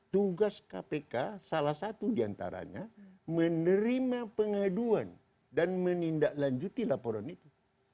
tugas kpk salah satu diantaranya menerima pengaduan dan menindaklanjuti laporan itu